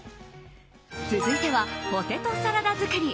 続いてはポテトサラダ作り。